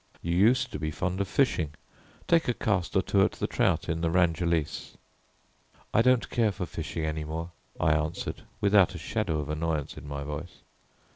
You used to be fond of fishing. Take a cast or two at the trout in the Rangelys." "I don't care for fishing any more," I answered, without a shade of annoyance in my voice.